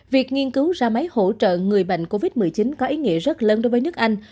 việc nghiên cứu ra máy hỗ trợ người bệnh covid một mươi chín có ý nghĩa rất lớn đối với nước anh